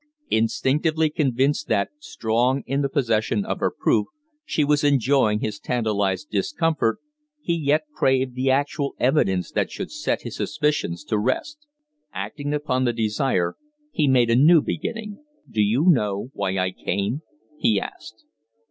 Instinctively convinced that, strong in the possession of her proof, she was enjoying his tantalized discomfort, he yet craved the actual evidence that should set his suspicions to rest. Acting upon the desire, he made a new beginning. "Do you know why I came?" he asked.